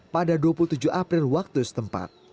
pada dua puluh tujuh april waktu setempat